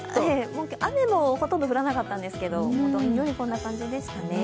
雨もほとんど降らなかったんですが、どんより、こんな感じでした。